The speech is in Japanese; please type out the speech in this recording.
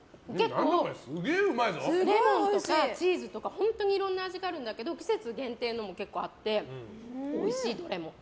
レモンとかチーズとかいろんな味があるんだけど季節限定のも結構あっておいしい、どれも。